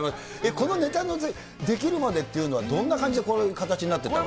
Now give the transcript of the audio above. このネタのできるまでっていうのはどんな感じで、こういう形になっていったの。